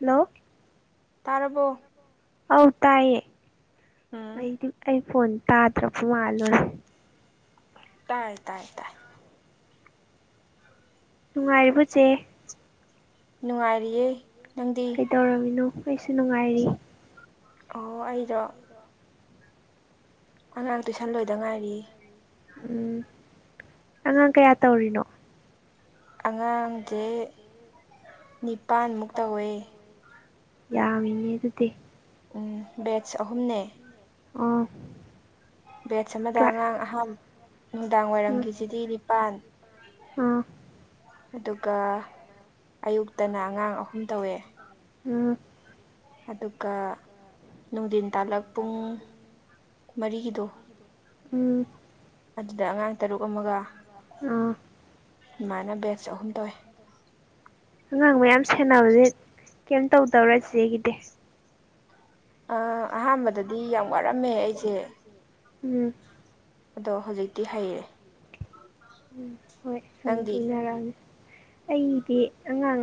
hello ꯇꯥꯔꯕꯣ ꯑꯧ ꯇꯥꯏꯌꯦ ꯎꯝ ꯑꯩꯗꯤ ꯑꯩ ꯐꯣꯟ ꯇꯥꯗ꯭ꯔꯕ ꯃꯥꯜꯂꯨꯔꯦ ꯇꯥꯏ ꯇꯥꯏ ꯅꯨꯡꯉꯥꯏꯔꯤꯕ ꯆꯦ ꯅꯨꯡꯉꯥꯏꯔꯤꯌꯦ ꯅꯪꯗꯤ ꯀꯩꯗꯧꯔꯝꯃꯤꯅꯣ ꯑꯩꯁꯨ ꯅꯨꯡꯉꯥꯏꯔꯤ ꯑꯣ ꯑꯩꯗꯣ ꯑꯉꯥꯡ ꯇꯨꯏꯁꯟ ꯂꯣꯏꯗ ꯉꯥꯏꯔꯤ ꯎꯝ ꯑꯉꯥꯡ ꯀꯌꯥ ꯇꯧꯔꯤꯅꯣ ꯑꯉꯥꯡꯁꯦ ꯅꯤꯄꯥꯟꯃꯨꯛ ꯇꯧꯋꯦ ꯌꯥꯝꯃꯤ ꯅꯦ ꯑꯗꯨꯗꯤ ꯎꯝ ꯕꯦꯠꯁ ꯑꯍꯨꯝꯅꯦ ꯑꯣ ꯕꯦꯠꯁ ꯑꯃꯗ ꯀ꯭ꯂꯥ ꯑꯉꯥꯡ ꯑꯍꯥꯟꯕ ꯅꯨꯡꯗꯥꯡ ꯎꯝ ꯋꯥꯏꯔꯝꯒꯤꯁꯤꯗꯤ ꯅꯤꯄꯥꯜ ꯑꯥ ꯑꯗꯨꯒ ꯑꯌꯨꯛꯇꯅ ꯑꯉꯥꯡ ꯑꯍꯨꯝ ꯇꯧꯋꯦ ꯎ ꯑꯗꯨꯒ ꯅꯨꯡꯊꯤꯟ ꯇꯥꯂꯛ ꯄꯨꯡ ꯃꯔꯤꯒꯤꯗꯣ ꯎꯝ ꯑꯗꯨꯗ ꯑꯉꯥꯡ ꯇꯔꯨꯛ ꯑꯃꯒ ꯑ ꯏꯃꯥꯏꯅ ꯕꯦꯠꯁ ꯑꯍꯨꯝ ꯇꯧꯋꯦ ꯑꯉꯥꯡ ꯃꯌꯥꯝ ꯁꯦꯟꯅꯕꯁꯦ ꯀꯩꯝꯇꯧꯗꯧꯔ ꯆꯦꯒꯤꯗꯤ ꯑꯍꯥꯟꯕꯗꯗꯤ ꯌꯥꯝ ꯋꯥꯔꯝꯃꯦ ꯑꯩꯁꯦ ꯎꯝ ꯑꯗꯣ ꯍꯧꯖꯤꯛꯇꯤ ꯍꯩꯔꯦ ꯎꯝ ꯍꯣꯏ ꯁꯨꯝ ꯅꯪꯒꯤ ꯂꯨꯅꯔꯛꯑꯅꯤ ꯑꯩꯗꯤ ꯑꯉꯥꯡ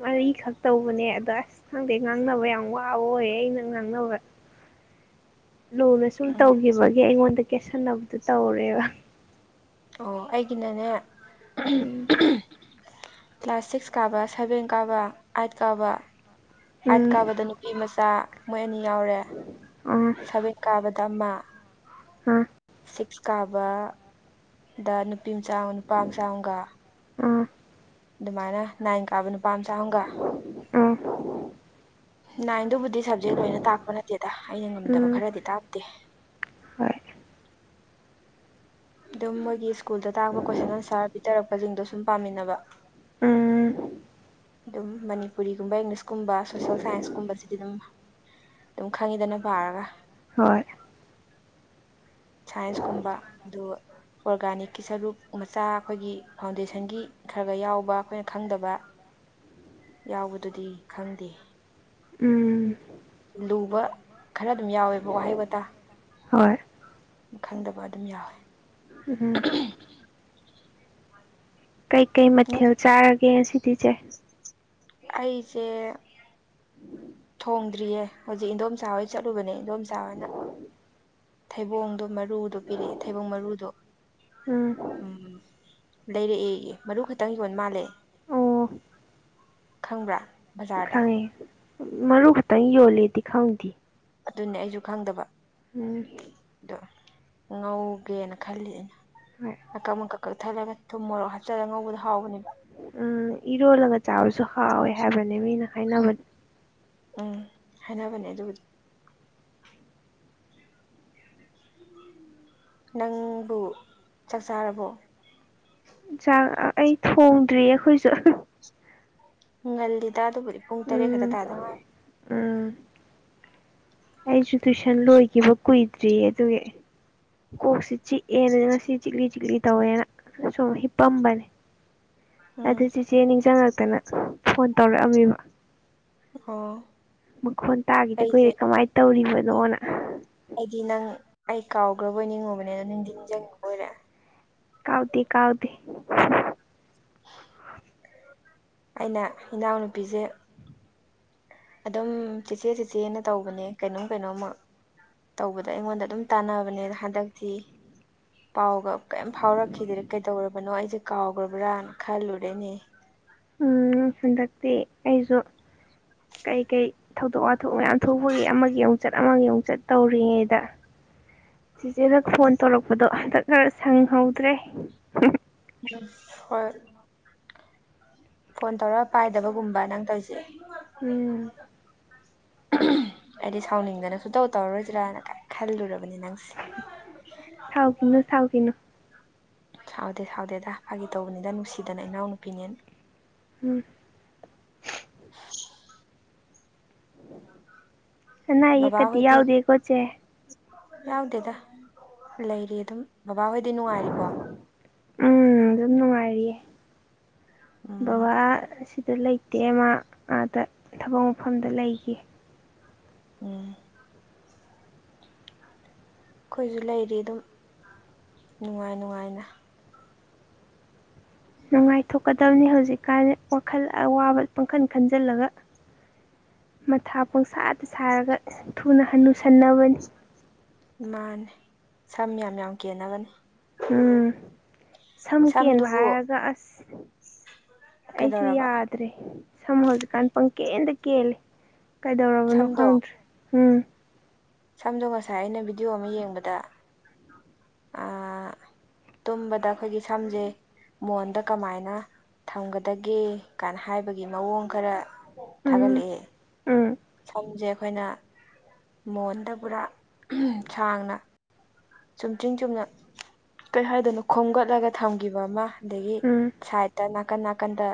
ꯃꯔꯤꯈꯛ ꯇꯧꯕꯅꯦ ꯑꯗ ꯑꯁ ꯈꯪꯗꯦ ꯉꯥꯡꯅꯕ ꯌꯥꯝ ꯋꯥꯕ ꯑꯣꯏꯌꯦꯦ ꯑꯩꯅ ꯉꯥꯡꯅꯕ ꯂꯨꯅ ꯁꯨꯝ ꯎꯝ ꯇꯧꯈꯤꯕꯒꯤ ꯑꯩꯉꯣꯟꯗ ꯀꯦꯠꯁꯟꯅꯕꯗꯨꯣ ꯇꯧꯔꯦꯕ ꯑꯣ ꯑꯩꯒꯤꯅꯅꯦ ꯎꯝ ꯀ꯭ꯂꯥꯁ ꯁꯤꯛꯁ ꯀꯥꯕ ꯁꯚꯦꯟ ꯀꯥꯕ ꯑꯥꯏꯠ ꯀꯥꯕ ꯑꯥꯏꯠ ꯎꯝ ꯀꯥꯕꯗꯅꯤ ꯅꯨꯄꯤ ꯃꯆꯥ ꯃꯣꯏ ꯑꯅꯤ ꯌꯥꯎꯔꯦ ꯑꯥ ꯁꯥꯕꯦꯟ ꯀꯥꯕꯗ ꯑꯃ ꯎꯝ ꯁꯤꯛꯁ ꯀꯥꯕ ꯗ ꯅꯨꯄꯤ ꯃꯆꯥ ꯑꯃꯥ ꯅꯨꯄꯥ ꯃꯆꯥ ꯑꯃꯒ ꯑꯥ ꯑꯗꯨꯃꯥꯏꯅ ꯅꯥꯏꯟ ꯀꯥꯕ ꯅꯨꯄꯥ ꯃꯆꯥ ꯑꯃꯒ ꯑ ꯅꯥꯏꯟꯗꯨꯕꯨꯗꯤ ꯁꯞꯖꯦꯛ ꯂꯣꯏꯅ ꯇꯥꯛꯄ ꯅꯠꯇꯦꯗ ꯑꯩꯅ ꯉꯝꯗꯕ ꯎꯝ ꯈꯔꯗꯤ ꯇꯥꯛꯇꯦ ꯍꯣꯏ ꯑꯗꯨꯝ ꯃꯣꯏꯒꯤ ꯁ꯭ꯀꯨꯜꯗ ꯇꯥꯛꯄ ꯀꯣꯏꯁꯟ ꯑꯟꯁꯥꯔ ꯄꯤꯊꯔꯛꯄꯁꯤꯡꯗꯣ ꯁꯨꯝ ꯄꯥꯃꯤꯟꯅꯕ ꯎꯝ ꯑꯗꯨꯝ ꯃꯅꯤꯄꯨꯔꯤꯒꯨꯝꯕ ꯏꯪꯂꯤꯁꯀꯨꯝꯕ ꯁꯣꯁꯦꯜ ꯁꯥꯏꯟꯁꯀꯨꯝꯕꯁꯤꯗꯤ ꯑꯗꯨꯝ ꯑꯗꯨꯝ ꯈꯪꯉꯤꯗꯅ ꯄꯥꯔꯒ ꯍꯣꯏ ꯁꯥꯏꯟꯁꯀꯨꯝꯕ ꯑꯗꯨ ꯑꯣꯔꯒꯥꯅꯤꯛꯀꯤ ꯁꯔꯨꯛ ꯃꯆꯥ ꯑꯩꯈꯣꯏꯒꯤ ꯐꯥꯎꯟꯗꯦꯁꯟꯒꯤ ꯈꯔꯒ ꯌꯥꯎꯕ ꯑꯩꯈꯣꯏꯅ ꯈꯪꯗꯕ [unintelligible] ꯌꯥꯎꯕꯗꯨꯗꯤ ꯈꯪꯗꯦ ꯎꯝ ꯂꯨꯕ ꯈꯔ ꯑꯗꯨꯝ ꯌꯥꯎꯋꯦꯕ ꯋꯥꯍꯩ ꯋꯥꯇꯥ ꯍꯣꯏ ꯈꯪꯗꯕ ꯑꯗꯨꯝ ꯌꯥꯎꯋꯦ ꯎꯝ ꯀꯩꯀꯩ ꯃꯊꯦꯜ ꯆꯥꯔꯒꯦ ꯁꯤꯗꯤꯁꯦ ꯑꯩꯁꯦ ꯊꯣꯡꯗ꯭ꯔꯤꯌꯦ ꯍꯧꯖꯤꯛ ꯏꯟꯗꯣꯝꯆꯥ ꯍꯣꯏ ꯆꯠꯂꯨꯕꯅꯦ ꯏꯟꯗꯣꯝꯆꯥꯅ ꯊꯩꯕꯣꯡꯗꯣ ꯃꯔꯨꯗꯣ ꯄꯤꯔꯛꯑꯦ ꯊꯩꯕꯣꯡ ꯃꯔꯨꯗꯣ ꯎꯝ ꯎꯝ ꯂꯩꯔꯛꯑꯦ ꯃꯔꯨ ꯈꯛꯇꯪ ꯌꯣꯟ ꯃꯥꯜꯂꯦ ꯑꯣ ꯈꯪꯕ꯭ꯔꯥ ꯕꯖꯥꯔꯗ ꯈꯪꯉꯦ ꯃꯔꯨ ꯈꯛꯇꯪ ꯌꯣꯜꯂꯦꯗꯤ ꯈꯪꯗꯦ ꯑꯗꯨꯅꯦ ꯑꯩꯁꯨ ꯈꯪꯗꯕ ꯎꯝ ꯑꯗꯣ ꯉꯧꯒꯦꯅ ꯈꯜꯂꯤ ꯑꯩꯅ ꯍꯣꯏ ꯃꯀꯛ ꯃꯀꯛ ꯀꯛꯊꯠꯂꯒ ꯊꯨꯝꯃꯣꯔꯣꯛ ꯍꯥꯞꯆꯤꯜꯂ ꯉꯧꯕꯗꯣ ꯍꯥꯎꯕꯅꯦꯕ ꯎꯝ ꯏꯔꯣꯜꯂꯒ ꯆꯥꯕꯁꯨ ꯍꯥꯎꯋꯦ ꯍꯥꯏꯕꯅꯦ ꯃꯤꯅ ꯍꯥꯏꯅꯕꯅꯦ ꯎꯝ ꯍꯥꯏꯅꯕꯅꯦ ꯑꯗꯨꯕꯨꯗꯤ ꯅꯪꯕꯨ ꯆꯥꯛꯆꯥꯥꯔꯕꯣ ꯆꯥꯛ ꯑꯩ ꯊꯣꯡꯗ꯭ꯔꯤꯌꯦ ꯑꯩꯈꯣꯏꯁꯨ ꯉꯜꯂꯤꯗꯥ ꯑꯗꯨꯕꯨꯗꯤ ꯄꯨꯡ ꯇꯔꯦꯠ ꯈꯛꯇ ꯎꯝ ꯇꯥꯗꯉꯥꯏꯔꯤ ꯎꯝ ꯑꯩꯁꯨ ꯇꯨꯏꯁꯟ ꯂꯣꯏꯈꯤꯕ ꯀꯨꯏꯗ꯭ꯔꯤꯌꯦ ꯑꯗꯨꯒꯤ ꯀꯣꯛꯁꯤ ꯆꯤꯛꯑꯦꯅ ꯉꯁꯤ ꯆꯤꯛꯂꯤ ꯆꯤꯛꯂꯤ ꯇꯧꯋꯦꯅ ꯑꯗꯨꯏꯁꯨꯝ ꯍꯤꯄꯝꯕꯅꯦ ꯎꯝ ꯑꯗꯨ ꯆꯤꯆꯦ ꯅꯤꯡꯁꯤꯡꯉꯛꯇꯅ ꯐꯣꯟ ꯇꯧꯔꯛꯑꯝꯃꯤꯕ ꯑꯣ ꯃꯈꯣꯟ ꯇꯥꯒꯤꯗ ꯑꯩꯁꯦ ꯀꯨꯏꯔꯦ ꯀꯃꯥꯏꯅ ꯇꯧꯔꯤꯕꯅꯣꯅ ꯑꯩꯗꯤ ꯅꯪ ꯑꯩ ꯀꯥꯎꯈ꯭ꯔꯕꯣꯏ ꯅꯤꯡꯉꯨꯕꯅꯦ ꯑꯗꯣ ꯅꯤꯡꯗꯤ ꯅꯤꯡꯁꯤꯡꯉꯤ ꯕꯣꯏꯔꯦ ꯀꯥꯎꯗꯦ ꯀꯥꯎꯗꯦ [inaudible] ꯑꯩꯅ ꯏꯅꯥꯎꯅꯨꯄꯤꯁꯦ ꯑꯗꯨꯝ ꯆꯦꯆꯦ ꯆꯦꯆꯦꯅ ꯇꯧꯕꯅꯦ ꯀꯩꯅꯣꯝ ꯀꯩꯅꯣꯝꯃ ꯇꯧꯕꯗ ꯑꯩꯉꯣꯟꯗ ꯑꯗꯨꯝ ꯇꯥꯟꯅꯕꯅꯦ ꯍꯟꯗꯛꯇꯛꯇꯤ ꯄꯥꯎꯒ ꯀꯩꯝ ꯐꯥꯎꯔꯛꯈꯤꯗꯔꯦ ꯀꯩꯗꯧꯔꯕꯅꯣ ꯑꯩꯁꯦ ꯀꯥꯎꯈ꯭ꯔꯕ꯭ꯔꯅ ꯈꯜꯂꯨꯔꯦꯅꯦ ꯎ ꯍꯟꯗꯛꯇꯤ ꯑꯩꯁꯨ ꯀꯩꯀꯩ ꯊꯧꯗꯣꯛ ꯋꯥꯊꯣꯛ ꯃꯌꯥꯝ ꯊꯣꯛꯄꯒꯤ ꯑꯃꯒꯤ ꯑꯃꯨꯛꯆꯠ ꯑꯃꯒꯤ ꯑꯃꯨꯛꯆꯠ ꯇꯧꯔꯤꯉꯩꯗ ꯆꯤꯆꯦꯗ ꯐꯣꯟ ꯇꯧꯔꯛꯄꯗꯣ ꯍꯟꯗꯛ ꯈꯔ ꯁꯪꯍꯧꯗ꯭ꯔꯦ ꯍꯣꯏ ꯐꯣꯟ ꯇꯧꯔ ꯄꯥꯏꯗꯕꯒꯨꯝꯕ ꯅꯪ ꯇꯧꯔꯤꯁꯦ ꯎꯝ ꯍꯥꯏꯗꯤ ꯁꯥꯎꯅꯤꯡꯗꯅ ꯁꯨꯇꯧ ꯇꯧꯔꯔꯣꯏꯗꯔꯥꯅ ꯈꯜꯂꯨꯔꯕꯅꯤ ꯅꯪꯁꯦ ꯆꯥꯎ ꯀꯅꯣ ꯆꯥꯎ ꯀꯅꯣ ꯁꯥꯎꯗꯦ ꯁꯥꯎꯗꯦ ꯑꯗ ꯐꯥꯒꯤ ꯇꯧꯕꯅꯤꯗ ꯅꯨꯡꯁꯤꯗꯅ ꯏꯅꯥꯎꯅ ꯅꯨꯄꯤꯅꯦ ꯎꯝ ꯑ ꯅꯥ ꯌꯦ ꯕꯕꯥ ꯀꯗꯤ ꯍꯣꯏꯗꯤ ꯌꯥꯎꯗꯦ ꯀꯣꯠꯁꯦ ꯌꯥꯎꯗꯦꯗ ꯂꯩꯔꯤ ꯑꯗꯨꯝ ꯕꯕꯥꯍꯣꯏꯗꯤ ꯅꯨꯡꯉꯥꯏꯔꯤꯕꯣ ꯎꯝ ꯑꯗꯨꯝ ꯅꯨꯡꯉꯥꯏꯔꯤꯌꯦ ꯎꯝ ꯕꯕꯥ ꯁꯤꯗ ꯂꯩ ꯗꯦ ꯑꯃ ꯑꯥꯗ ꯊꯕꯛ ꯃꯐꯝꯗ ꯂꯩꯈꯤ ꯎꯝ ꯑꯩꯈꯣꯏꯁꯨ ꯂꯩꯔꯤ ꯑꯗꯨꯝ ꯅꯨꯡꯉꯥꯏ ꯅꯨꯡꯉꯥꯏꯅ ꯅꯨꯡꯉꯥꯏꯊꯣꯛꯀꯗꯕꯅꯤ ꯍꯧꯖꯤꯛꯀꯥꯟ ꯋꯥꯈꯜ ꯑꯋꯥꯕ ꯄꯥꯡꯈꯟ ꯈꯟꯖꯤꯜꯂꯒ ꯃꯊꯥ ꯄꯣꯡꯁꯥꯗ ꯁꯥꯔꯒ ꯊꯨꯅ ꯍꯅꯨꯁꯟꯅꯕꯅꯤ ꯃꯥꯅꯦ ꯁꯝ ꯌꯥꯝ ꯌꯥꯝ ꯀꯦꯟꯅꯅꯕꯅꯦ ꯎꯝ ꯁꯝ ꯀꯦꯟꯕ ꯁꯝꯗꯨꯕꯨ ꯍꯥꯏꯔꯒ ꯑꯁ ꯑꯩꯁꯨ ꯀꯩꯗꯧꯔꯕ ꯌꯥꯗ꯭ꯔꯦ ꯁꯝ ꯍꯧꯖꯤꯛꯀꯥꯟ ꯄꯪꯀꯦꯟꯗ ꯀꯦꯜꯂꯦ ꯀꯩꯗꯧꯔꯕꯅꯣ ꯁꯝꯗꯣ ꯈꯪꯗ꯭ꯔꯦ ꯎꯝ ꯁꯝꯗꯣ ꯉꯁꯥꯏ ꯑꯩꯅ ꯚꯤꯗꯤꯑꯣ ꯑꯃ ꯌꯦꯡꯕꯗ ꯑꯥ [unintelligible] ꯇꯨꯝꯕꯗ ꯑꯩꯈꯣꯏꯒꯤ ꯁꯝꯖꯦ ꯃꯣꯟꯗ ꯀꯃꯥꯏꯅ ꯊꯝꯒꯗꯒꯦ ꯀꯥꯏꯅ ꯍꯥꯏꯕꯒꯤ ꯃꯑꯣꯡ ꯈꯔ ꯊꯥꯒꯠꯂꯛꯑꯦ ꯎꯥ ꯁꯝꯁꯦ ꯑꯩꯈꯣꯏꯅ ꯃꯣꯟꯗ ꯄꯨꯔꯥ ꯁꯥꯡꯅ ꯆꯨꯝꯆꯤꯡ ꯆꯨꯝꯅ ꯀꯔꯤ ꯍꯥꯏꯗꯣꯏꯅꯣ ꯈꯣꯝꯒꯠꯂꯒ ꯊꯝꯈꯤꯕ ꯑꯃ ꯑꯗꯒꯤ ꯎꯝ ꯁꯥꯏꯠ ꯗ ꯅꯥꯀꯟ ꯅꯥꯀꯟꯗ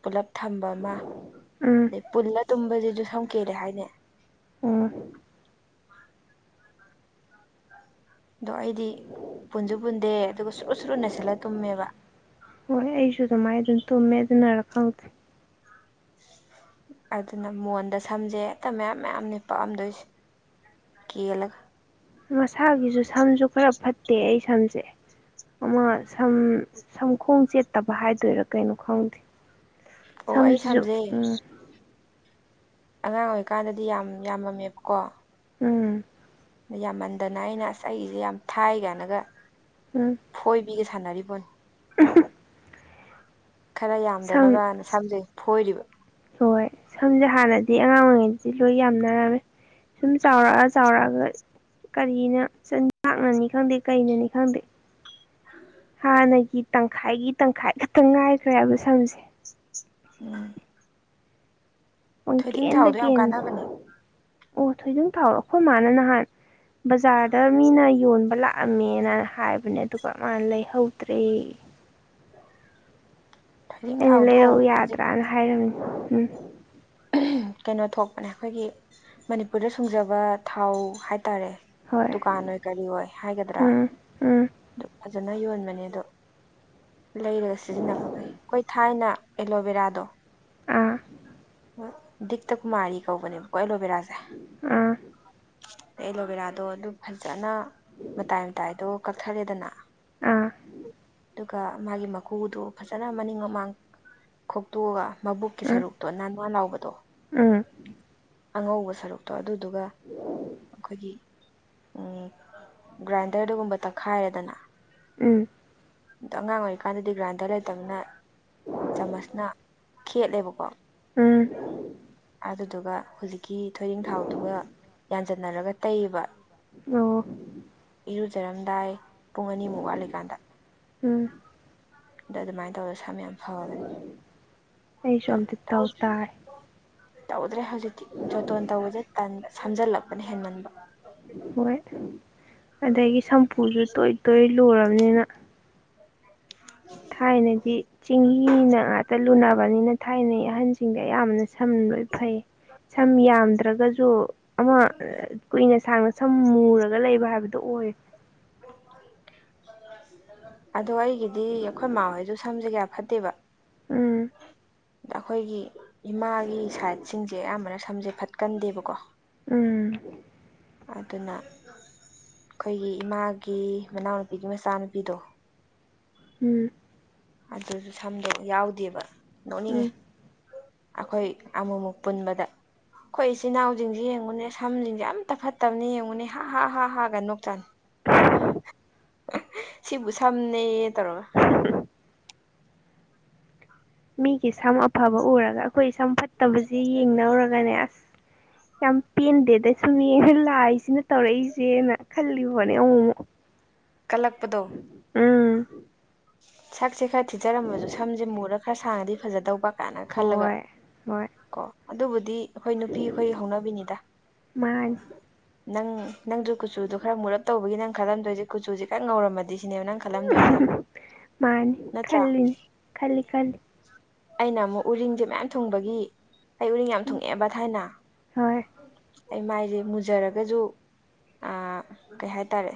ꯄꯨꯂꯞ ꯊꯝꯕ ꯑꯃ ꯎꯝ ꯑꯗꯩ ꯄꯨꯜꯂ ꯇꯨꯝꯕꯁꯤꯁꯨ ꯁꯝ ꯀꯦꯔꯦ ꯍꯥꯏꯅꯦ ꯎꯝ ꯑꯗꯣ ꯑꯩꯗꯤ ꯄꯨꯟꯁꯨ ꯄꯨꯟꯗꯦ ꯑꯗꯨꯒ ꯁꯨꯔꯨ ꯁꯨꯔꯨ ꯅꯩꯁꯤꯜꯂ ꯇꯨꯝꯃꯦꯕ ꯍꯣꯏ ꯑꯩꯁꯨ ꯑꯗꯨꯃꯥꯏꯅ ꯑꯗꯨꯝ ꯇꯨꯝꯃꯦ ꯑꯗꯨꯅꯔ ꯈꯪꯗꯦ ꯑꯗꯨꯅ ꯃꯣꯟꯗ ꯁꯝꯖꯦ ꯍꯦꯛꯇ ꯃꯌꯥꯝ ꯃꯌꯥꯝꯅꯤ ꯄꯥꯛꯑꯝꯗꯣꯏꯁꯦ ꯀꯦꯜꯂꯒ ꯃꯁꯥꯒꯤꯁꯨ ꯁꯝꯁꯨ ꯈꯔ ꯐꯠꯇꯦ ꯑꯩ ꯁꯝꯁꯦ ꯑꯃ ꯁꯝ ꯁꯝꯈꯣꯡ ꯆꯦꯠꯇꯕ ꯍꯥꯏꯗꯣꯏꯔꯥ ꯀꯩꯅꯣ ꯈꯪꯗꯦ ꯑꯣ ꯑꯩ ꯁꯝꯁꯤꯁꯨ ꯁꯝꯖꯦ ꯎꯝ ꯑꯉꯥꯡ ꯑꯣꯏꯔꯤꯀꯥꯟꯗꯗꯤ ꯌꯥꯝ ꯌꯥꯝꯃꯝꯃꯦꯕꯀꯣ ꯎꯝ ꯌꯥꯝꯃꯟꯗꯅ ꯑꯩꯅ ꯑꯁ ꯑꯩꯁꯦ ꯌꯥꯝ ꯊꯥꯏ ꯀꯥꯏꯅꯒ ꯎꯝ ꯐꯣꯏꯕꯤꯒ ꯁꯥꯟꯅꯔꯤꯕꯣꯟꯅꯤ ꯎ ꯈꯔ ꯁꯝ ꯌꯥꯝꯗꯅꯕꯅ ꯁꯝꯖꯦ ꯐꯣꯏꯔꯤꯕ ꯍꯣꯏ ꯁꯝꯁꯦ ꯍꯥꯟꯅꯗꯤ ꯑꯉꯥꯡ ꯑꯣꯏꯔꯤꯉꯩꯗꯗꯤ ꯂꯣꯏ ꯌꯥꯝꯅꯔꯝꯃꯦ ꯁꯨꯝ ꯆꯥꯎꯔꯛꯑ ꯆꯥꯎꯔꯛꯑꯒ ꯀꯔꯤꯅꯥꯛꯅꯅꯤ ꯈꯪꯗꯦ ꯀꯩꯅꯅꯤ ꯈꯪꯗꯦ ꯍꯥꯟꯅꯒꯤ ꯇꯪꯈꯥꯏꯒꯤ ꯇꯪꯈꯥꯏ ꯈꯛꯇ ꯉꯥꯏꯈ꯭ꯔꯦ ꯍꯥꯏꯕ ꯁꯝꯁꯦ ꯎꯝ ꯊꯣꯏꯗꯤꯡ ꯄꯨꯡꯀꯦꯟꯗ ꯊꯥꯎꯗꯣ ꯌꯥꯝ ꯀꯦꯟ ꯀꯥꯟꯅꯕꯅꯦ ꯑꯣ ꯊꯣꯏꯗꯣꯛ ꯊꯥꯎꯔꯣ ꯑꯩꯈꯣꯏ ꯃꯥꯅ ꯅꯍꯥꯟ ꯕꯖꯥꯔꯗ ꯃꯤꯅ ꯌꯣꯟꯕ ꯂꯥꯛ ꯂꯛꯑꯝꯃꯦꯅ ꯍꯥꯏꯕꯅꯦ ꯑꯗꯨꯒ ꯃꯥꯅ ꯂꯩꯍꯧꯗ꯭ꯔꯦ ꯐꯩꯖꯤꯡ ꯑꯩꯅ ꯊꯥꯎꯗꯣ ꯂꯩꯔꯛꯎ ꯍꯧꯖꯤꯛ ꯌꯥꯗ꯭ꯔꯥꯅ ꯍꯥꯏꯔꯝꯅꯤ ꯎꯝ ꯀꯩꯅꯣ ꯊꯣꯛꯄꯅꯦ ꯑꯩꯈꯣꯏꯒꯤ ꯃꯅꯤꯄꯨꯔꯗ ꯁꯨꯡꯖꯕ ꯊꯥꯎ ꯍꯥꯏꯇꯥꯔꯦ ꯍꯣꯏ ꯗꯨꯀꯥꯟ ꯑꯣꯏ ꯀꯔꯤ ꯑꯣꯏ ꯍꯥꯏꯒꯗ꯭ꯔꯥ ꯎꯝ ꯎꯝ ꯑꯗꯨ ꯐꯖꯅ ꯌꯣꯟꯕꯅꯦ ꯑꯗꯣ ꯂꯩꯔꯒ ꯁꯤꯖꯤꯟꯅꯕ ꯐꯩ ꯑꯩꯈꯣꯏ ꯊꯥꯏꯅ ꯑꯦꯂꯣꯕꯦꯔꯥꯗꯣ ꯑꯥ ꯗꯤꯛꯇ ꯀꯨꯃꯥꯔꯤ ꯀꯧꯕꯅꯦꯕꯀꯣ ꯑꯦꯂꯣꯕꯦꯔꯥꯁꯦ ꯑꯥ ꯑꯦꯂꯣꯚꯦꯔꯥꯗꯣ ꯑꯗꯨ ꯐꯖꯅ ꯃꯇꯥꯏ ꯃꯇꯥꯏꯗꯣ ꯀꯛꯊꯔꯦꯗꯅ ꯑꯥ ꯑꯗꯨꯒ ꯃꯥꯒꯤ ꯃꯀꯨꯗꯣ ꯐꯖꯅ ꯃꯅꯤꯡ ꯃꯃꯥꯡ ꯈꯣꯛꯇꯣꯛꯑꯒ ꯃꯕꯨꯛꯀꯤ ꯎꯝ ꯁꯔꯨꯛꯇꯣ ꯅꯥꯟ ꯅꯥꯟ ꯂꯥꯎꯕꯗꯣ ꯎꯝ ꯑꯉꯧꯕ ꯁꯔꯨꯛꯇꯣ ꯑꯗꯨꯗꯨꯒ ꯑꯩꯈꯣꯏꯒꯤ ꯒ꯭ꯔꯥꯏꯟꯗꯔꯗꯒꯨꯝꯕ ꯇꯛꯈꯥꯏꯔꯦꯗꯅ ꯎꯝ ꯑꯗꯣ ꯑꯉꯥꯡ ꯑꯣꯏꯔꯤꯀꯥꯟꯗꯗꯤ ꯒ꯭ꯔꯥꯟꯗ ꯂꯩꯇꯕꯅꯤꯅ ꯆꯥꯃꯁꯅ ꯈꯦꯠꯂꯦꯕꯀꯣ ꯎꯝ ꯑꯗꯨꯗꯨꯒ ꯍꯧꯖꯤꯛꯀꯤ ꯊꯣꯏꯗꯤꯡ ꯊꯥꯎꯗꯨꯒ ꯌꯥꯟꯖꯟꯅꯔꯒ ꯇꯩꯌꯦꯕ ꯑꯣ ꯏꯔꯨꯖꯔꯝꯗꯥꯏ ꯄꯨꯡ ꯑꯅꯤꯃꯨꯛ ꯋꯥꯠꯂꯤꯀꯥꯟꯗ ꯎꯝ ꯑꯗ ꯑꯗꯨꯃꯥꯏꯅ ꯇꯧꯔꯒ ꯁꯝ ꯌꯥꯝ ꯐꯕꯅꯤ ꯑꯩꯁꯨ ꯑꯝꯇ ꯇꯧ ꯇꯥꯔꯦ ꯇꯧꯗ꯭ꯔꯦ ꯍꯧꯖꯤꯛꯇꯤ ꯖꯣꯇꯣꯟ ꯇꯧꯕꯁꯦ ꯁꯝꯖꯜꯂꯛꯄꯅ ꯍꯦꯟꯃꯟꯕ ꯍꯣꯏ ꯑꯗꯒꯤ ꯁꯝꯄꯨꯁꯨ ꯇꯣꯏ ꯇꯣꯏ ꯂꯨꯔꯕꯅꯤꯅ [unintelligible] ꯊꯥꯏꯅꯗꯤ ꯆꯦꯡꯍꯤꯅ ꯉꯥꯛꯇ ꯂꯨꯅꯕꯅꯤꯅ ꯊꯥꯏꯅꯩ ꯑꯍꯟꯁꯤꯡꯗ ꯑꯌꯥꯝꯅ ꯁꯝ ꯂꯣꯏ ꯐꯩ ꯁꯝ ꯌꯥꯝꯗ꯭ꯔꯒꯁꯨ ꯑꯃ ꯀꯨꯏꯅ ꯁꯥꯡꯅ ꯁꯝ ꯃꯨꯔꯒ ꯂꯩꯕ ꯍꯥꯏꯕꯗꯣ ꯑꯣꯏꯌꯦ [unintelligible] ꯑꯗꯣ ꯑꯩꯒꯤꯗꯤ ꯑꯩꯈꯣꯏꯃꯥꯍꯣꯏꯁꯨ ꯁꯝꯁꯦ ꯀꯌꯥ ꯐꯠꯇꯦꯕ ꯎꯝ ꯑꯗ ꯑꯩꯈꯣꯏꯒꯤ ꯏꯃꯥꯒꯤ ꯁꯥꯏꯠ ꯁꯤꯡꯁꯦ ꯑꯌꯥꯝꯕꯅ ꯁꯝꯁꯦ ꯐꯠꯀꯟꯗꯦꯕꯀꯣ ꯎꯝ ꯑꯗꯨꯅ ꯑꯩꯈꯣꯏꯒꯤ ꯏꯃꯥꯒꯤ ꯃꯅꯥꯎꯅꯨꯄꯤꯒꯤ ꯃꯆꯥꯅꯨꯄꯤꯗꯣ ꯎꯝ ꯑꯗꯨꯁꯨ ꯁꯝꯗꯣ ꯌꯥꯎꯗꯦꯕ ꯅꯣꯛꯅꯤꯡꯉꯦ ꯎꯝ ꯑꯩꯈꯣꯏ ꯑꯃꯨꯛꯃꯨꯛ ꯄꯨꯟꯕꯗ ꯑꯩꯈꯣꯏ ꯏꯆꯤꯜ ꯏꯅꯥꯎꯁꯤꯡꯁꯤ ꯌꯦꯡꯉꯨꯅꯦ ꯁꯝꯁꯤꯡꯁꯦ ꯑꯝꯇ ꯐꯠꯇꯕꯅꯦ ꯌꯦꯡꯉꯨꯅꯦ ꯍꯥ ꯍꯥ ꯍꯥꯒ ꯅꯣꯛꯇꯅ [unintelligible] ꯁꯤꯕꯨ ꯁꯝꯅꯦꯌꯦ ꯇꯧꯔꯒ ꯃꯤꯒꯤ ꯁꯝ ꯑꯐꯕ ꯎꯔꯒ ꯑꯩꯈꯣꯏ ꯁꯝ ꯐꯠꯇꯕꯁꯤ ꯌꯦꯡꯅꯔꯨꯔꯒꯅꯦ ꯑꯁ ꯌꯥꯝ ꯄꯦꯟꯗꯦꯗ ꯁꯨꯝ ꯌꯦꯡꯉ ꯂꯥꯏꯁꯤꯅ ꯇꯧꯔꯛꯏꯁꯦꯅ ꯈꯜꯂꯤ ꯄꯣꯠꯅꯤ ꯑꯃꯨꯛꯃꯨꯛ [unintelligible] ꯀꯜꯂꯛꯄꯗꯣ ꯎꯝ ꯁꯛꯁꯦ ꯈꯔ ꯊꯤꯖꯔꯝꯃꯁꯨ ꯁꯝꯁꯦ ꯃꯨꯔ ꯈꯔ ꯁꯥꯡꯉꯗꯤ ꯐꯖꯗꯧꯕ ꯀꯥꯏꯅ ꯈꯜꯂꯒ ꯍꯣꯏ ꯍꯣꯏ ꯀꯣ ꯑꯗꯨꯕꯨꯗꯤ ꯑꯩꯈꯣꯏ ꯅꯨꯄꯤ ꯑꯩꯈꯣꯏꯒꯤ ꯍꯧꯅꯕꯤꯅꯤꯗ ꯃꯥꯅꯤ ꯅꯪ ꯅꯪꯁꯨ ꯀꯨꯆꯨꯗꯣ ꯈꯔ ꯃꯨꯔꯞ ꯇꯧꯕꯒꯤ ꯅꯪ ꯈꯜꯂꯝꯗꯣꯏꯁꯦ ꯀꯨꯆꯨꯁꯦ ꯈꯔ ꯉꯧꯔꯝꯃꯗꯤ ꯁꯤꯅꯦꯕ ꯅꯪ ꯈꯜꯂꯝꯗꯣꯏꯁꯦ ꯃꯥꯅꯤ ꯅꯠꯇ꯭ꯔꯥ ꯈꯜꯂꯤꯅꯦ ꯈꯜꯂꯤ ꯈꯜꯂꯤ ꯑꯩꯅ ꯑꯃꯨꯛ ꯎꯔꯤꯡꯁꯦ ꯃꯌꯥꯝ ꯊꯨꯡꯕꯒꯤ ꯑꯩ ꯎꯔꯤꯡ ꯌꯥꯝ ꯎꯝ ꯊꯨꯡꯉꯛꯑꯦꯕ ꯊꯥꯏꯅ ꯍꯣꯏ ꯑꯩ ꯃꯥꯏꯁꯦ ꯃꯨꯖꯔꯒꯁꯨ ꯀꯩ ꯍꯥꯏꯇꯥꯔꯦ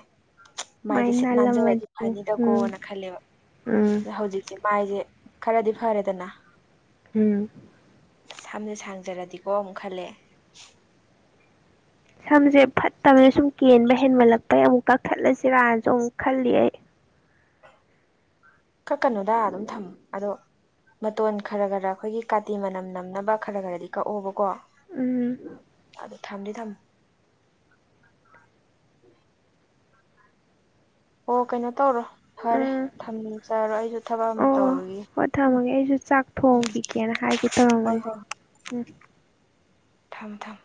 ꯃꯥꯏ ꯃꯥꯏꯁꯦ ꯁꯤꯠ ꯅꯥꯟꯖꯔꯗꯤ ꯅꯥꯜꯂꯝꯃꯗꯤ ꯎꯝ ꯐꯅꯤꯗꯀ‌ꯣꯅ ꯈꯜꯂꯦꯕ ꯎꯝ ꯑꯗ ꯍꯧꯖꯤꯛꯁꯦ ꯃꯥꯏꯁꯦ ꯈꯔꯗꯤ ꯐꯔꯦꯗꯅ ꯎꯝ ꯁꯝꯁꯦ ꯁꯥꯡꯖꯔꯗꯤꯀꯣ ꯑꯃꯨꯛ ꯈꯜꯂꯦ ꯁꯝꯁꯦ ꯐꯠꯇꯕꯅ ꯁꯨꯝ ꯀꯦꯟꯕ ꯍꯦꯟꯃꯜꯂꯛꯄꯩ ꯑꯃꯨꯛ ꯀꯛꯊꯠꯂꯁꯤꯔꯅꯁꯨ ꯑꯃꯨꯛ ꯈꯜꯂꯤ ꯑꯩ ꯀꯛꯀꯅꯣꯗ ꯑꯗꯨꯝ ꯊꯝꯃ ꯑꯗꯣ ꯃꯇꯣꯟ ꯈꯔ ꯈꯔ ꯑꯩꯈꯣꯏꯒꯤ ꯀꯥꯇꯤ ꯃꯅꯝ ꯅꯝꯅꯕ ꯈꯔ ꯈꯔꯗꯤ ꯀꯛꯑꯣꯕꯀꯣ ꯎꯝ ꯑꯗꯨ ꯊꯝꯗꯤ ꯊꯝꯃꯣ [unintelligible] ꯑꯣ ꯀꯩꯅꯣ ꯇꯧꯔꯣ ꯐꯔꯦ ꯎꯝ ꯊꯝꯖꯔꯣ ꯑꯩꯁꯨ ꯊꯕꯛ ꯑꯃ ꯑꯣ ꯇꯧꯔꯨꯒꯤꯒꯦ ꯍꯣ ꯊꯝꯃꯒꯦ ꯑꯩꯁꯨ ꯆꯥꯛ ꯎꯝ ꯊꯣꯡꯈꯤꯒꯦꯅ ꯍꯥꯏꯒꯦ ꯍꯣꯏ ꯇꯧꯔꯝꯕꯅꯦ ꯎꯝ ꯊꯝ ꯊꯝ